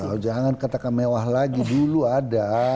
oh jangan katakan mewah lagi dulu ada